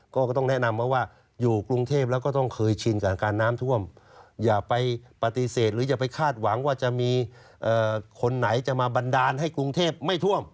ก็ต้องแนะนำว่าอยู่กรุงเทพแล้วก็ต้องเคยชินกับการน้ำท่วมอย่าไปปฏิเสธหรืออย่าไปคาดหวังว่าจะมีคนไหนจะมาบันดาลให้กรุงเทพไม่ท่วม